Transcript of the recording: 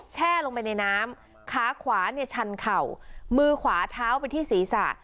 แช่ลงไปในน้ำขาขวาเนี่ยชันเข่ามือขวาเท้าไปที่ศีรษะ